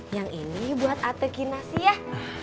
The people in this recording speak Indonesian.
yang ini buat ate kinasi ya